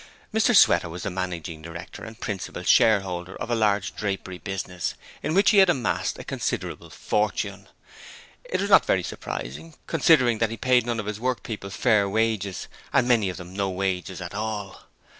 Mr Sweater was the managing director and principal shareholder of a large drapery business in which he had amassed a considerable fortune. This was not very surprising, considering that he paid none of his workpeople fair wages and many of them no wages at all.